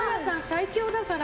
最強だから。